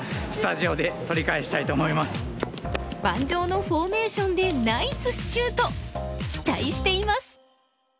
「盤上のフォーメーション」でナイスシュート期待しています！